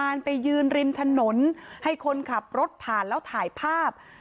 การไปยืนริมถนนให้คนขับรถผ่านแล้วถ่ายภาพ